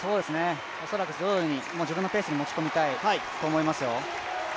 恐らく自分のペースに持ち込みたいと思いますよ。